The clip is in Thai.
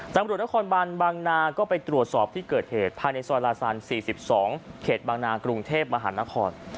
ตำรวจนครบันบางนาก็ไปตรวจสอบที่เกิดเหตุภายในซอยลาซัน๔๒เขตบางนากรุงเทพมหานคร